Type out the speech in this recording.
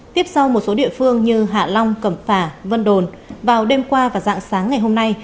tiếp sau một số địa phương như hạ long cẩm phả vân đồn vào đêm qua và dạng sáng ngày hôm nay